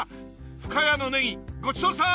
深谷のネギごちそうさん！